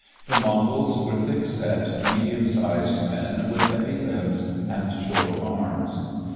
The models were thick set, medium sized men with heavy limbs and short arms.